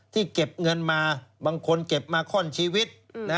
เก็บเงินมาบางคนเก็บมาข้อนชีวิต